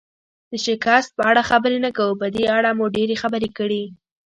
د شکست په اړه خبرې نه کوو، په دې اړه مو ډېرې خبرې کړي.